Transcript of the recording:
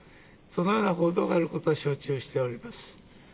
そのような報道があることは承知をしております。